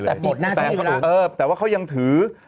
แต่หมดหน้าที่อยู่แล้วแต่ว่าเขายังถือ